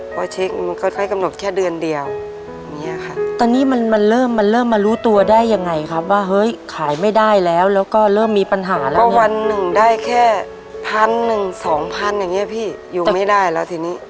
พอเช็คมันก็ใช้กำหนดแค่เดือนเดียวอย่างนี้ค่ะตอนนี้มันมันเริ่มมันเริ่มมารู้ตัวได้ยังไงครับว่าเฮ้ยขายไม่ได้แล้วแล้วก็เริ่มมีปัญหาแล้วพอวันหนึ่งได้แค่พันหนึ่งสองพันอย่างเงี้ยพี่อยู่ไม่ได้แล้วทีนี้